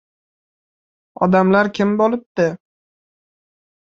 Odamlar kim bo‘libdi?